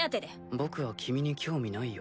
僕は君に興味ないよ。